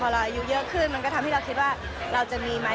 เราอายุเยอะขึ้นมันก็ทำให้เราคิดว่าเราจะมีไหม